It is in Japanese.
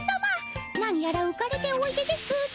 なにやらうかれておいでですね。